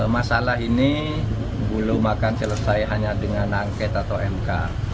masalah ini belum akan selesai hanya dengan angket atau mk